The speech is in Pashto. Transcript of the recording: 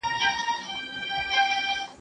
په ما دي غړغړې وکړې .